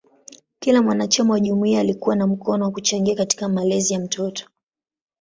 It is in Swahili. Kila mwanachama wa jumuiya alikuwa na mkono kwa kuchangia katika malezi ya mtoto.